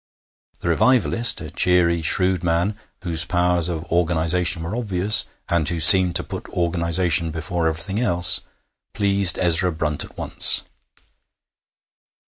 The revivalist, a cheery, shrewd man, whose powers of organization were obvious, and who seemed to put organization before everything else, pleased Ezra Brunt at once.